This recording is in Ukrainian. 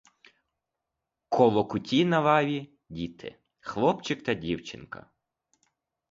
Коло куті на лаві — діти: хлопчик та дівчинка.